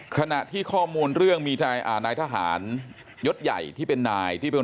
ขณะที่ข้อมูลเรื่องมีนายทหารยศใหญ่ที่เป็นนายที่เป็น